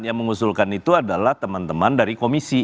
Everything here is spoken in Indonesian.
yang mengusulkan itu adalah teman teman dari komisi